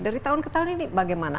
dari tahun ke tahun ini bagaimana